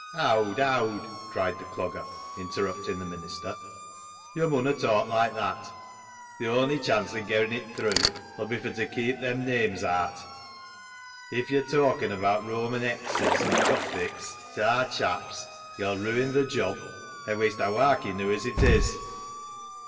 " Howd ! howd," cried the Clogger, interrupt ing the minister, " Yo' munna talk like that. Th' on'y chance o' gerrin' it through 'ull be fur t' keep them names aat. If yo' talken abaat Roman ex's [esques] and Gothics ta aar chaps yo'll ruin th' job, an' wee'st ha' wark enew as it is."